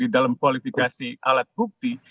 di dalam kualifikasi alat bukti